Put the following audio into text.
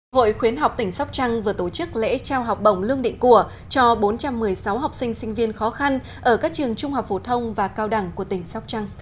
hội khuyến học tỉnh sóc trăng vừa tổ chức lễ trao học bổng lương định của cho bốn trăm một mươi sáu học sinh sinh viên khó khăn ở các trường trung học phổ thông và cao đẳng của tỉnh sóc trăng